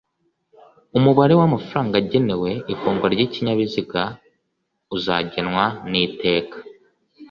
Umubare w'amafaranga agenewe ifungwa ry'ikinyabiziga uzagenwa n'iteka